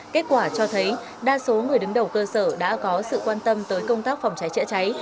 kết quả cho thấy đa số người đứng đầu cơ sở đã có sự quan tâm tới công tác phòng cháy chữa cháy